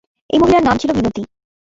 এই মহিলার নাম ছিল মিনতি।